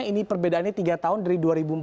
ini perbedaannya tiga tahun dari dua ribu empat belas